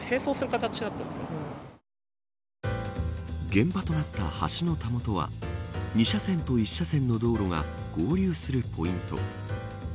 現場となった橋のたもとは２車線と１車線の道路が合流するポイント。